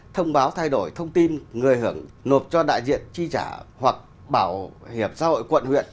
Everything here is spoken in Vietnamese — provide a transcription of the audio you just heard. thông báo thay đổi thông tin người hưởng nộp cho đại diện chi trả hoặc bảo hiểm xã hội quận huyện